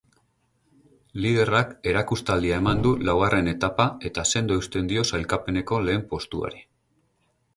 Liderrak erakustaldia eman du laugarren etapa eta sendo eusten dio sailkapeneko lehen postuari.